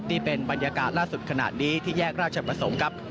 นี่เป็นบรรยากาศล่าสุดขนาดนี้ที่แยกราชประสงค์ครับ